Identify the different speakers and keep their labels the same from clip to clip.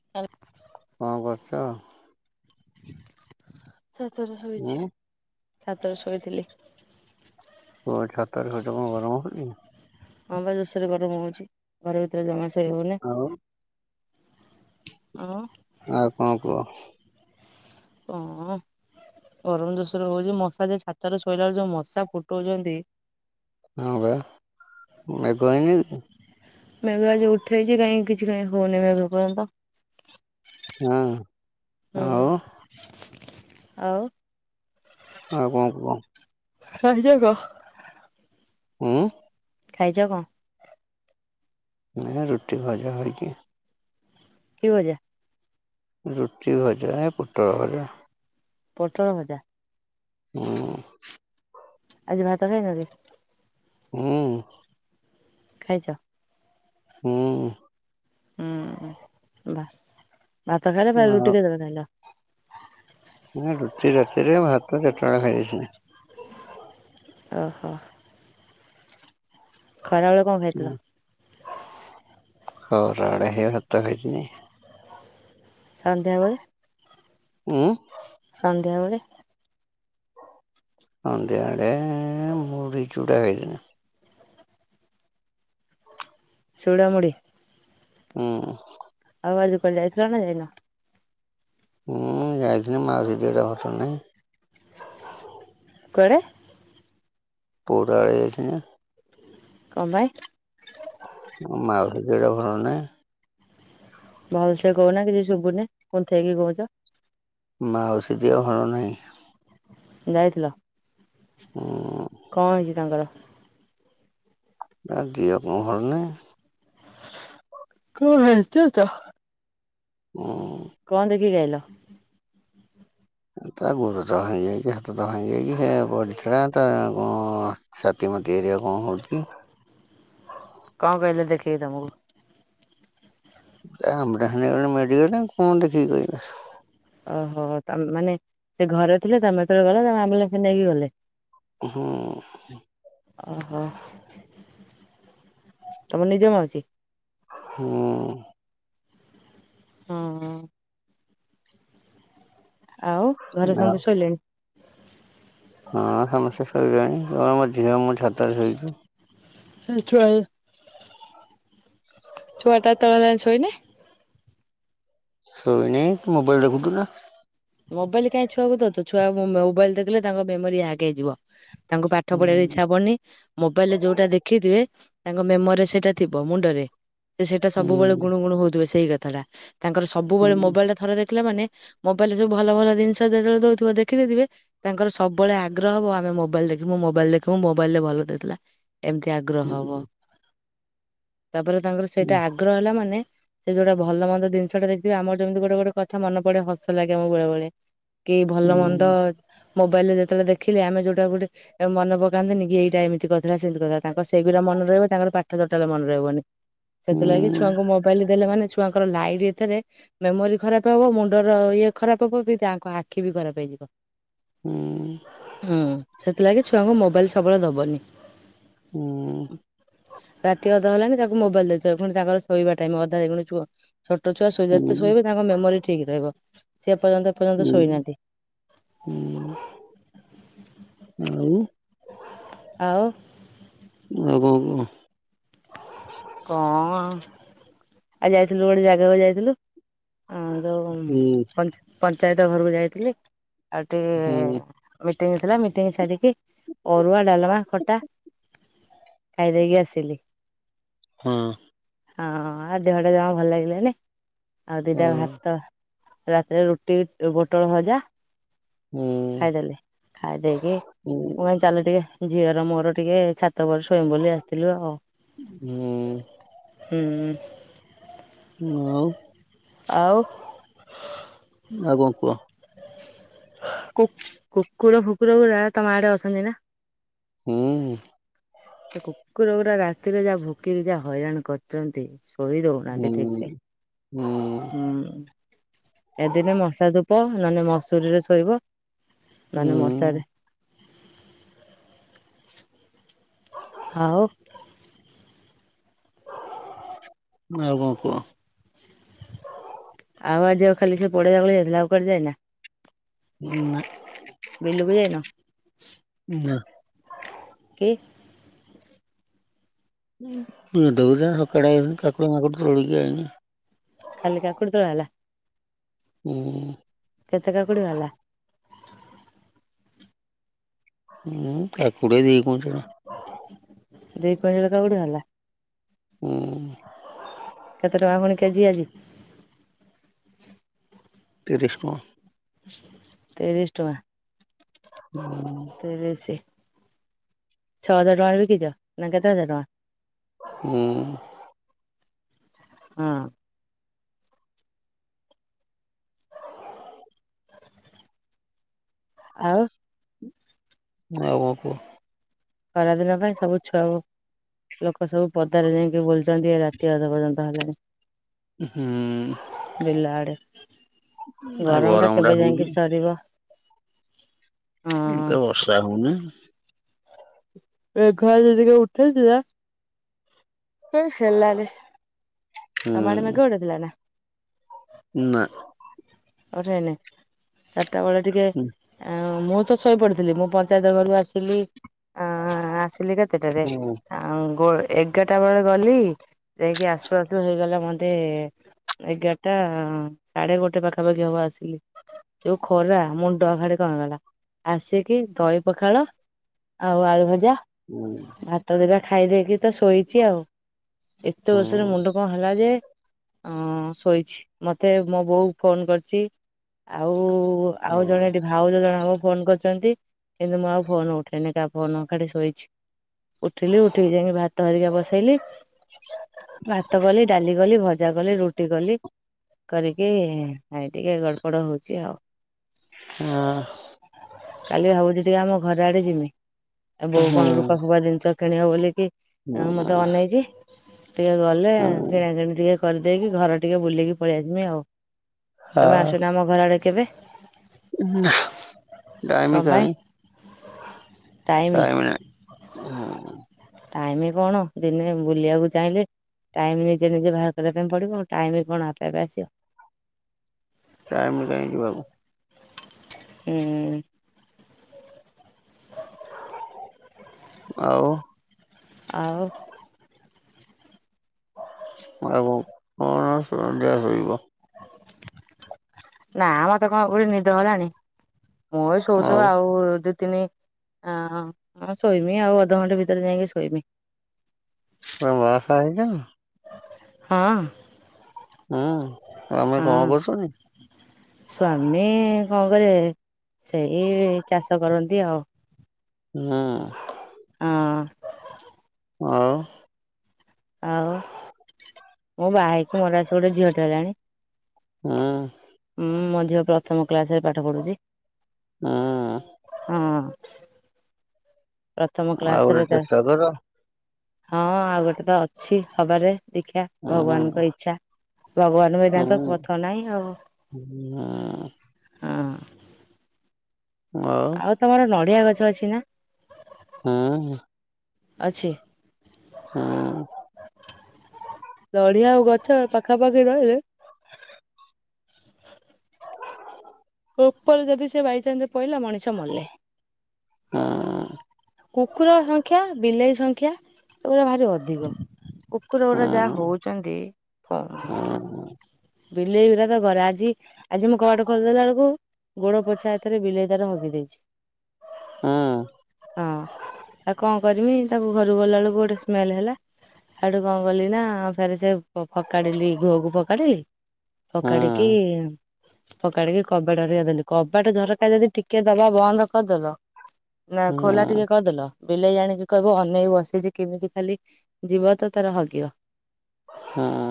Speaker 1: [unintelligible]
Speaker 2: କଣ କରୁଛ?
Speaker 1: ସତରେ
Speaker 2: ମୁଁ
Speaker 1: ଶୋଇଛି। ଛାତରେ ଶୋଇଥିଲି।
Speaker 2: ପୁଣି ଛାତରେ ଶୋଇଛ, କଣ ଗରମ ହଉଛି କି?
Speaker 1: ହଁ, ବା ଜୋରସୋରେ ଗରମ ହଉଛି। ଘର ଭିତରେ ଜମା ଶୋଇ ହଉନି।
Speaker 2: ଆଉ।
Speaker 1: ଆଉ।
Speaker 2: ଆଉ କଣ କୁହ?
Speaker 1: [unintelligible] ଗରମ ଜୋରସୋରରେ ହଉଛି। ମଶା, ଯୋଉ ଛାତରେ ଶୋଇଲା ବେଳେ ଯୋଉ ମଶା ଫୁଟଉଛନ୍ତି।
Speaker 2: ହଁ, ବା, ମେଘ ହେଇନି?
Speaker 1: ମେଘ ଆଜି ଉଠେଇଛି, କାଇଁ କିଛି କାଇଁ ହଉନି, ମେଘ ଏପର୍ଯ୍ୟନ୍ତ।
Speaker 2: ହଁ।
Speaker 1: ହୁଁ,
Speaker 2: ଆଉ
Speaker 1: ଆଉ।
Speaker 2: ଆଉ କଣ କୁହ?
Speaker 1: [unintelligible]
Speaker 2: ହୁଁ
Speaker 1: ଖାଇଛ କଣ?
Speaker 2: ଏଁ ରୁଟି ଭଜା ଖାଇଛି।
Speaker 1: ରୁଟି ଭଜା?
Speaker 2: ରୁଟି ଭଜା, ପୋଟଳ ଭଜା।
Speaker 1: ପୋଟଳ ଭଜା?
Speaker 2: ହୁଁ।
Speaker 1: ଆଜି ଭାତ ଖାଇନ କି?
Speaker 2: ହୁଁ
Speaker 1: ଖାଇଛ?
Speaker 2: ହୁଁ
Speaker 1: ଉଁ ହୁଁ, ବା ଭାତ ଖାଇଲ ଫେର
Speaker 2: ଆଉ
Speaker 1: ରୁଟି କେତେବେଳେ ଖାଇଲ?
Speaker 2: ନା ରୁଟି ରାତିରେ, ଭାତ ଚାରିଟା ବେଳେ ଖାଇ ଦେଇଥିଲି।
Speaker 1: ଓହୋ। ଖରାବେଳେ କଣ ଖାଇଥିଲ?
Speaker 2: ଖରାବେଳେ ସେଇ ଭାତ ଖାଇଥିଲି।
Speaker 1: ସନ୍ଧ୍ୟାବେଳେ?
Speaker 2: ଉଁ?
Speaker 1: ସନ୍ଧ୍ୟାବେଳେ?
Speaker 2: ସନ୍ଧ୍ୟାବେଳେ ମୁଢି, ଚୁଡ଼ା ଖାଇଥିଲି।
Speaker 1: ଚୁଡ଼ା, ମୁଢି।
Speaker 2: ହୁଁ।
Speaker 1: ଆଉ ଆଜି କୁଆଡ଼େ ଯାଇଥିଲ ନା ଯାଇନ?
Speaker 2: ମୁଁ ଯାଇଥିଲି ମାଉସି ଦିହଟା ଭଲ ନାହିଁ।
Speaker 1: କୁଆଡ଼େ?
Speaker 2: ପୁରା ଆଡେ଼ ଯାଇଥିଲି।
Speaker 1: କଣ ପାଇଁ?
Speaker 2: ମାଉସି ଦେହଟା ଭଲ ନାହିଁ।
Speaker 1: ଭଲସେ କହୁନା କିଛି ଶୁଭୁନି କୁନ୍ଥେଇକି କହୁଛ।
Speaker 2: ମାଉସି ଦେହ ଭଲନାହିଁ।
Speaker 1: ଯାଇଥିଲ?
Speaker 2: ହୁଁ।
Speaker 1: କଣ ହେଇଛି ତାଙ୍କର?
Speaker 2: ତା ଦିହ କଣ ଭଲ ନାହିଁ।
Speaker 1: କଣ ହେଇଛି [unintelligible]
Speaker 2: ହୁଁ
Speaker 1: କଣ ଦେଖିକି ଆଇଲ?
Speaker 2: ତା ଗୋଡଟା ଭାଙ୍ଗିଯାଇଛି, ହାତଟା ଭାଙ୍ଗିଯାଇଛି ସେ ପଡିଥିଲା ତା କଣ ଛାତି ମାତି ଏରିଆ କଣ ହଉଛି।
Speaker 1: କଣ କହିଲେ ଦେଖିକି ତମକୁ?
Speaker 2: [unintelligible]
Speaker 1: ଓହୋ ମାନେ ସେ ଘରେ ଥିଲେ ତମେ ଯେତେବେଳେ ଗଲା ତମେ ଆମ୍ବୁଲାନ୍ସ ନେଇକି ଗଲେ।
Speaker 2: ହୁଁ।
Speaker 1: ଅହ ତମ ନିଜ ମାଉସି?
Speaker 2: ହୁଁ।
Speaker 1: ହଁ। ଆଉ ଘରେ ସମସ୍ତେ ଶୋଇଲେଣି?
Speaker 2: ହଁ ସମସ୍ତେ ଶୋଇଲେଣି କେବଳ ମୋ ଝିଅ ମୁଁ ଛାତରେ ଶୋଇଚୁ।
Speaker 1: ସେଥିାଇ [unintelligible] ଛୁଆ ଟା ଏତୋଳ ଯାଏଁ ଶୋଇନି?
Speaker 2: ଶୋଇନି ମୋବାଇଲ ଦେଖୁଥିଲା।
Speaker 1: ମୋବାଇଲ୍ କାହିଁ ଛୁଆକୁ ଦୋଉଚ ଛୁଆ ମୋଵାଇଲ୍ ଦେଖିଲେ ତାଙ୍କ ମେମୋରୀ ହ୍ୟାକ୍ ହେଇଯିବ। ତାଙ୍କୁ ପାଠ
Speaker 2: ହୁଁ
Speaker 1: ପଢିବାରେ ଇଚ୍ଛା ହବନି। ମୋବାଇଲରେ ଯୋଉଟା ଦେଖିଥିବେ ତାଙ୍କ ମେମୋରି ସେଇଟା ଥିବ ମୁଣ୍ଡରେ। ସେ ସେଇଟା ସବୁବେଳେ
Speaker 2: ହୁଁ
Speaker 1: ଗୁଣୁ ଗୁଣୁ ହଉଥିବେ ସେଇ କଥାଟା ତାଙ୍କର ସବୁବେଳେ
Speaker 2: ହୁଁ
Speaker 1: ମୋବାଇଲ ଟା ଥରେ ଦେଖିଲା ମାନେ ମୋବାଇଲରେ ଭଲ ଭଲ ଜିନିଷ ଯେତେବେଳେ ଦୋ ଉଥିବ ଦେଖିଦେଇଥିବେ ତାଙ୍କର ସବୁବେଳେ ଆଗ୍ରହ ହବ ଆମେ ମୋବାଇଲ ଦେଖିବୁ ମୋବାଇଲ୍ ଦେଖିବୁ ମୋବାଇଲ୍ ରେ ଭଲ ଦେଇଥିଲା। ଏମିତି ଆଗ୍ରହ
Speaker 2: ହୁଁ
Speaker 1: ହବ ତାପରେ ତାଙ୍କର ସେଇଟା
Speaker 2: ହୁଁ
Speaker 1: ଆଗ୍ର ହେଲା ମାନ ସେ ଯୋଉଟା ଭଲ ମନ୍ଦ ଜିନିଷଟାଦେଖଥିବେ ଆମର ଯେମିତି ଗୋଟେ ଗୋଟେ କଥା ମେ ପଡେ ହ ଲାଗେ ଆମ ବେଳେ ବେଳେ କି ଭଲ ମନ୍ଦ
Speaker 2: ହୁଁ
Speaker 1: ମୋବାଇଲ ରେ ଯେତେବେଳେ ଦେଖିଲେ ଆମେ ଯୋଉଟା ଗୋଟେ ମନ ପକାନ୍ତେନ କି ଏଇଟା ଏମିତି କରିଥିଲା ସେମିତି କରିଥିଲା ତାଙ୍କ ସେଗଡ଼ା ମନେ ରହିବ ତାଙ୍କର ପାଠ ଟୋଟାଲ ମନେ ରହିବନି। ସେଥିଲାଗି ଛୁଆଙ୍କୁ ମୋବାଇଲ ଦେଲେ ମାନେ ଛୁଆଙ୍କର ଲାଇଟ ଏଥିରେ ମେମୋରି ଖରାପ ହବ ମୁଣ୍ଡ ଇଏ ଖରାପ ହବ ବି ତାଙ୍କ ଆଖି ବି ଖରାପ ହେଇଯିବ।
Speaker 2: ହୁଁ।
Speaker 1: ହୁଁ ସେଥିଲାଗି ଛୁଆଙ୍କୁ ମୋବାଇଲ୍ ସବୁବେଳେ ଦବନି।
Speaker 2: ହୁଁ।
Speaker 1: ରାତି ଅଧା ହେଲାଣି ତାକୁ ମୋବାଇଲ ଦେଇଚ ତାଙ୍କର ଶୋଇବା ଟାଇମ ଅଧା ହେବଣି ସୁଆ। ଛୋଟ ଛୁଆ ଯେତେ
Speaker 2: ହୁଁ
Speaker 1: ଶୋଇବେ ତାଙ୍କ ମେମୋରି ଠିକ୍ ରହିବ ସେ ପର୍ଯ୍ୟନ୍ତ
Speaker 2: ହୁଁ ହୁଁ ଆଉ
Speaker 1: ଆଉ
Speaker 2: ଆଉ କଣ କୁହ?
Speaker 1: କଣ ଆଜି ଯାଇଥିଲୁ ଗୋଟେ ଜାଗାକୁ ଯାଇଥିଲୁ।
Speaker 2: କୁହ
Speaker 1: ଯୋଉ ପଞ୍ଚାୟତ ଘରକୁ ଯାଇଥିଲି। ଆଉ
Speaker 2: ହୁଁ ହୁଁ
Speaker 1: ଟିକେ ମିଟିଂ ଥିଲା ମିଟିଂ ସାରିକି ଅରୁଆ ଡାଲମା ଖଟା ଖାଇଦେଇକି ଆସିଲି।
Speaker 2: ହଁ।
Speaker 1: ହଁ ଆଉ ଦେହ ଟା ଜମା ଭଲ ଲାଗିଲାନି ଆଉ
Speaker 2: ହଁ
Speaker 1: ଦିଟା ଭାତ ରାତିରେ ରୁଟି ପୋଟଳ ଭଜା।
Speaker 2: ହୁଁ
Speaker 1: ଖାଇଦେଲି ଖାଇଦେଇକି
Speaker 2: ହୁଁ
Speaker 1: ମୁଁ କହିଲି ଚାଲ ଟିକେ ଝିଅର ମୋର ଟିକେ ଛାତ ଉପରେ ଶୋଇମୁ ବୋଲି ଆସିଥିଲୁ ଆଉ।
Speaker 2: ହୁଁ।
Speaker 1: ହୁଁ।
Speaker 2: ଆଉ
Speaker 1: ଆଉ
Speaker 2: ଆଉ କଣ କୁହ?
Speaker 1: କୁକୁର ଫୁକୁର ଗୁଡା ତମ ଆଡେ ଅଛନ୍ତି ନା?
Speaker 2: ହୁଁ।
Speaker 1: କୁକୁର ଗୁଡା ରାତିରେ ଯାହା ଭୁକିକି ଯାହା ହଇରାଣ କରିୁଛନ୍ତି। ସୋଇ ଦଉନାହାନ୍ତି
Speaker 2: ହୁଁ
Speaker 1: ଠିକ୍ ସେ ହୁଁ ଏଦିନେ ମଶା ଧୂପ ନହେଲେ ମସୁରୀରେ ଶୋଇବ ନହେଲେ ମଶାରେ
Speaker 2: ହୁଁ [unintelligible]
Speaker 1: ଆଉ।
Speaker 2: ଆଉ କଣ କୁହ।
Speaker 1: ଆଉ ଆଜି କାଲିକି ବୋଢ଼ିଆ ଭଳିଆ ହେଇଥିଲା ଆଉ କୁଆଡେ ଯାଇନ।
Speaker 2: ନା
Speaker 1: ବିଲକୁ ଯାଇନ?
Speaker 2: ନା।
Speaker 1: ଏ।
Speaker 2: ଉଁ ଦଉଛୁ ନା ସକାଳେ ହେଇଗଲାଣି କାକୁଡି, ମାକୁଡି ତୋଳିକି ଆଇନି।
Speaker 1: ଖାଲି କାକୁଡି ତୋଳା ହେଲା।
Speaker 2: ହୁଁ।
Speaker 1: କେତେ କାକୁଡ଼ି ହେଲା।
Speaker 2: ହୁଁ କାକୁଡି ଦି କୁଇଂଟାଣା।
Speaker 1: ଦି କୁଇଣ୍ଟାଲ କାକୁଡ଼ି ବାହାରିଲା।
Speaker 2: ହୁଁ।
Speaker 1: କେତେ ଟଙ୍କା ପୁଣି କେଜି ଆଜି।
Speaker 2: ତିରିଶି ଟଙ୍କା।
Speaker 1: ତିରିଶି ଟଙ୍କା।
Speaker 2: [unintelligible]
Speaker 1: ତିରିଶି, ଛଅ ହଜାର ଟଙ୍କାରେ ବିକିଛ ନା କେତେ ହଜାର ଟଙ୍କା।
Speaker 2: ହୁଁ।
Speaker 1: ହୁଁ। ଆଉ।
Speaker 2: ଆଉ କଣ କୁହ।
Speaker 1: ଖରାଦିନ ପାଇଁ ସବୁ ଛୁଆଙ୍କୁ ଲୋକ ସବୁ ପଦାରେ ଯାଇକି ବୁଲୁ ଛନ୍ତି ରାତି ଅଧ ପର୍ଯ୍ୟନ୍ତ ହେଲାଣି।
Speaker 2: ଉଁ ହୁଁ।
Speaker 1: ବିଲଆଡେ।
Speaker 2: ନାଇଁ ଗରମ ଟା ହଉଛି।
Speaker 1: ସରିବ
Speaker 2: ଇ
Speaker 1: ହଁ
Speaker 2: ତ ବର୍ଷା ହଉନି।
Speaker 1: ମେଘ ଆଜି ଟିକେ ଉଠେଇଥିଲା। ଏ ହେଲାରେ ତମ ଆଡେ
Speaker 2: ହୁଁ
Speaker 1: ମେଘ ଉଠେଇଥିଲା ନା
Speaker 2: ନା।
Speaker 1: ଖରା ନେ ଚାରିଟା ବେଳେ ଟିକେ ମୁଁ ତ ଶୋଇପ ଥିଲି ମୁଁ ପଞ୍ଚାୟତ ଘରୁ ଆସିଲି ଆ ଆସିଲି କେତେଟାରେ
Speaker 2: ହୁଁ
Speaker 1: ଆଉ ଗୋ ଏଗାରଟା ବେଳେ ଗଲି ଯାଇକି ଆସୁ ଆସୁ ହେଇଗଲା ମତେ ଏଗାରଟା ସାଢେ ଗୋଟେ ପାଖାପାଖି ହବ ଆସିଲି। ଯୋଉ ଖରା ମୁଣ୍ଡ ହାଡ଼ି କଣ ହେଇଗଲା ଆସିକି ଦହି ପଖାଳ ଆଉ ଆଳୁ ଭଜା।
Speaker 2: ହୁଁ।
Speaker 1: ଭାତ ଦିଟା ଖାଇ ଦେଇକି ତ ଶୋଇଛି ଆଉ ଏତେ ଜୋରସରେ
Speaker 2: ଟାଇମ
Speaker 1: ମୁଣ୍ଡ କଣ ହେଲା ଯେ ଶୋଇଛି ମତେ ମୋ ବୋଉ ଫୋନ କରିଛି ଆଉ ଆଉ ଜଣେ ଡିପ। ଭାଉଜ ଜଣେ ହବ ଫୋନ କରିଛନ୍ତି କିନ୍ତୁ ମୁଁ ଆଉ ଫୋନ ଉଠେଇନି କା ଫୋନ ହେଠି ଶୋଇଛି। ଉଠିଲି ଉଠିକି ଯାଇକି ଭାତ ହେରିକା ବସେଇଲି ଭାତ କଲି ଡାଲି କଲି ଭ ପୂଜା କଲି ରୁଟି କଲି କରିକି ଟିକେ ଗଡ଼ପଡ଼ ହଉଛି ଆଉ।
Speaker 2: ହଁ।
Speaker 1: କାଲି ଭାବୁଛି ଟିକେ ଆମ ଘର ଆଡେ ଯିମି। ଆ ବୋଉ କଣ ରୂପା ଫୁପା ଜିନିଷ କିଣିବ ବୋଲିକି ମତେ ଅନେଇଛି, ଟିକେ ଗଲେ କିଣା କିଣି ଟିକେ କରିଦେଇକି ଘର ଟିକେ ବୁଲିକି ପଳେଇଆସମି ଆଉ। ତମେ ଆସୁନ ଆମ ଘର ଆଡେ କେବେ। କଣ
Speaker 2: ଟାଇମ
Speaker 1: ପାଇଁ
Speaker 2: କାହିଁ ଟାଇମ ନାହିଁ। ହଁ।
Speaker 1: ଟାଇମ କଣ ଦିନେ ବୁଲିବାକୁ ଚାହିଁଲେ ଟାଇମ୍ ନିଜେ ନିଜେ ବାହାର କରିବା ପାଇଁ ପଡ଼ିବ ଆ ଟାଇମ୍ କଣ ଆପେ ଆପେ ଆସିବ।
Speaker 2: ଟାଇମ କାଇଁ ଯିବାକୁ?
Speaker 1: ହୁଁ।
Speaker 2: ଆଉ।
Speaker 1: ଆଉ।
Speaker 2: ଆଉ କଣ [unintelligible]
Speaker 1: ନା ମତେ କଣ ଗୋଟେ ନିଦ ହେଲାଣି ମୁଁ ବି ଶୋଉ ଶୋଉ ଆଉ ତିନି ହଁ ଶୋଇମି ଆଉ ଅଧଘଣ୍ଟା ଭିତରେ ଯାଇକି ଶୋଇମି।
Speaker 2: [unintelligible]
Speaker 1: ହଁ।
Speaker 2: ହୁଁ ସ୍ୱାମୀ କଣ
Speaker 1: ହଁ
Speaker 2: କରୁଛନ୍ତି?
Speaker 1: ସ୍ଵାମୀ କଣ କରିବେ। ସେଇ ଚାଷ କରନ୍ତି ଆଉ।
Speaker 2: ହୁଁ।
Speaker 1: ହଁ।
Speaker 2: ଆଉ।
Speaker 1: ଆଉ ମୁଁ ବାହାହେଇକି ମୋର ଆସି ଗୋଟେ ଝିଅଟେ ହେଲାଣି।
Speaker 2: ହଁ।
Speaker 1: ହଁଁ ଝିଅ ପ୍ରଥମ କ୍ଲାସରେ ପାଠ ପଢୁଛି।
Speaker 2: ହଁ।
Speaker 1: ହଁ। ପ୍ରଥମ
Speaker 2: ଆଉ ଗୋଟେ
Speaker 1: କ୍ଲାସରେ।
Speaker 2: ଚେଷ୍ଟା କର
Speaker 1: ହଁ ଆଉ ଗୋଟେ ତ ଅଛି ହବାରେ ଦେଖିବା।
Speaker 2: ହୁଁ
Speaker 1: ଭଗବାନଙ୍କ ଇଛା। ଭଗବାନଙ୍କ ବିନା ତ
Speaker 2: ହୁଁ।
Speaker 1: ପଥ ନାହିଁ ଆଉ।
Speaker 2: ହୁଁ
Speaker 1: ହଁ।
Speaker 2: [unintelligible]
Speaker 1: ଆଉ ତମର ନଡିଆ ଗଛ ଅଛି ନା?
Speaker 2: ହଁ।
Speaker 1: ଅଛି।
Speaker 2: ହୁଁ।
Speaker 1: ନଡିଆ ଆଉ ଗଛ ପାଖାପାଖି ରହିଲେ
Speaker 2: [inaudible]
Speaker 1: ଉପରେ ଯଦି ସେ ବାଇଚାନ୍ସ ପଇଲା ମଣିଷ ମଲେ।
Speaker 2: ହଁ।
Speaker 1: କୁକୁର ସଂଖ୍ୟା, ବିଲେଇ ସଂଖ୍ୟା ଏଗୁଡ଼ା ଭାରି ଅଧିକ। କୁକୁର ଗୁଡ଼ା
Speaker 2: ହୁଁ
Speaker 1: ଯାହା
Speaker 2: ହୁଁ
Speaker 1: ହଉଛନ୍ତି [unintelligible]
Speaker 2: [inaudible]
Speaker 1: ବିଲେଇ ଗୁଡା ତ ଘରେ ଆଜି ଆଜି ମୁଁ କବାଟ ଖୋଲିଦେଲା ବେଳକୁ ଗୋଡ ପୋଛା ହାତରେ ବିଲେଇ ତାର ହଗି ଦେଇଛି।
Speaker 2: ହୁଁ।
Speaker 1: ହଁ ଆଉ କଣ। କରିମି ତାକୁ ଘରୁ ଗଲାବେଳକୁ ଗୋଟେ ସ୍ମେଲେ ହେଲା। ହେଟୁ କଣ କଲିନା ଫେରେ ସେ ଫ ଫକାଡ଼ିଲି ଘୁଅକୁ ଫୋକାଡ଼ିଲି।
Speaker 2: ହୁଁ
Speaker 1: ଫୋକାଡ଼ିକି ଫକାଡ଼ିକି କବାଟ ହେରିକା ଦେଲି କବାଟ ଝରକା ଯଦି ଟିକେ ଦବା ବନ୍ଦ କରିଦେଲ ନା,
Speaker 2: ହୁଁ
Speaker 1: ଖୋଲା ଟିକେ କରିଦେଲ ବିଲେଇ ଜାଣିକି କହିବ ଅନେଇ ବସିଛି କେମିତି ଖାଲି ଯିବ ତ ତାର ହଗିବ।
Speaker 2: ହୁଁ।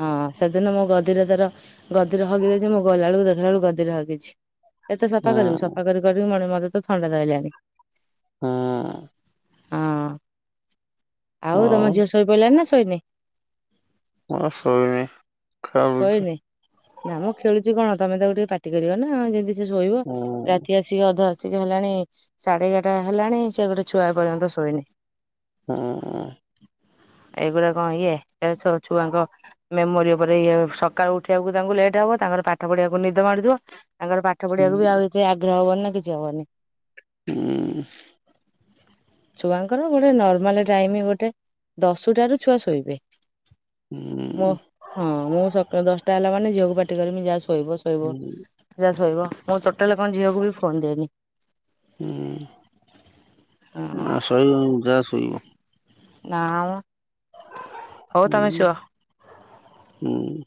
Speaker 1: ହଁ, ସେ ଦିନ ମୋ ଗଦିରେ ତାର ଗଦିରେ ହଗି ଦେଇଛି, ମୁଁ ଗଲା ବେଳକୁ ଦେଖିଲା ବେଳକୁ ଗଦିରେ ହଗିଛି। ଏତେ ସଫା କରିବୁ
Speaker 2: ହୁଁ
Speaker 1: ସଫା କରି କରି ମଣି ମତେ ଥଣ୍ଡା ଧଇଲାଣି।
Speaker 2: ଉଁ।
Speaker 1: ହଁ, ଆଉ ତମ ଝିଅ ଶୋଇ ପଇଲାଣି ନା ଶୋଇନି?
Speaker 2: ଓ ଶୋଇନେଇ।
Speaker 1: ଶୋଇନି ଜାମ ଖେଳୁଛି କଣ ତମେ ତାକୁ ଟିକେ ପାଟି କରିବ ନା ଯଦି ଯଦି ଶୋଇବ
Speaker 2: ହୁଁ
Speaker 1: ରାତି ଆସିକି ଅଧ ଆସିକି ହେଲାଣି ସାଢ଼େ ଏଗାରଟା ହେଲାଣି, ସେ ଗୋଟେ ଛୁଆ ଏ ପର୍ଯ୍ୟନ୍ତ ଶୋଇନି।
Speaker 2: ହୁଁ।
Speaker 1: ଏଗୁରା କଣ ଇଏ ଏ ଛ ଛୁଆଙ୍କ ମେମୋରୀ ଉପରେ ଇଏ ସକାଳୁ ଉଠିବାକୁ ତାଙ୍କୁ ଲେଟ୍ ହବ। ତାଙ୍କର ପାଠ ପଢ଼ିବାକୁ ନିଦ ମାଡୁଥିବ। ତାଙ୍କର ପାଠ ପଢ଼ିବାକୁ ବି
Speaker 2: ହୁଁ
Speaker 1: ଆଉ ଇ କି ଆଗ୍ରହ ହବନି, ନା କିଛି ହବନି।
Speaker 2: ହୁଁ।
Speaker 1: ଛୁଆଙ୍କର ଗୋଟେ ନର୍ମାଲ ଟାଇମ୍ ଗୋଟେ ଦଶଟା ରୁ ଛୁଆ ଶୋଇବେ।
Speaker 2: ହୁଁ
Speaker 1: ମୋ
Speaker 2: ହୁଁ
Speaker 1: ହଁ, ମୁଁ ସ ଦଶଟା ହେଲା ମାନେ ଝିଅକୁ ପାଟି କରିମି ଯା ଶୋଇବ। ଶୋଇବ ଯା ଶୋଇବ ମୁଁ ଟୋଟାଲ କଣ ଝିଅକୁ ବି ଫୋନ୍ ଦିଏନି।
Speaker 2: ହୁଁ,
Speaker 1: ହଁ
Speaker 2: ମା ଶୋଇବ ଯା ଶୋଇବ। [unintelligible]
Speaker 1: ନାଁ ମ ହଉ ତମେ
Speaker 2: ଉଁ
Speaker 1: ଶୁଅ।
Speaker 2: ଉଁ।